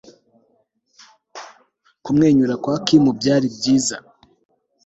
kumwenyura kwa kim byari byiza